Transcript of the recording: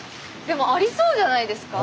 でもありそうじゃないですか？